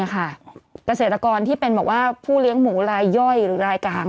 เกษตรกรที่เป็นบอกว่าผู้เลี้ยงหมูรายย่อยหรือรายกลาง